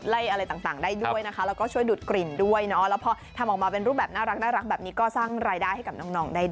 แล้วออกมาเป็นรูปแบบน่ารักแบบนี้ก็สร้างรายได้ให้กับน้อง